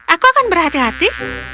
aku akan berhati hati